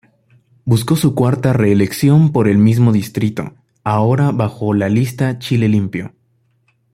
Buscó su cuarta reelección por el mismo distrito, ahora bajo la lista Chile Limpio.